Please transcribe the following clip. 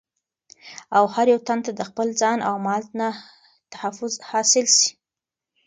او هر يو تن ته دخپل ځان او مال نه تحفظ حاصل سي